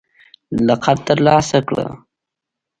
لقب ترلاسه کړ